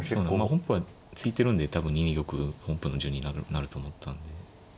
本譜は突いてるんで多分２二玉本譜の順になると思ったんで。